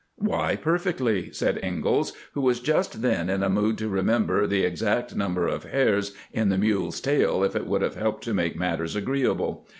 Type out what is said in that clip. " Why, perfectly," said Ingalls, who was just then in a mood to remember the exact number of hairs in the mule's tail if it would have helped to make matters agreeable.